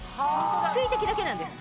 水滴だけなんです。